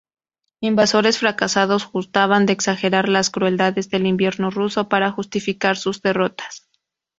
Invasores fracasados gustaban de exagerar las crueldades del invierno ruso para justificar sus derrotas.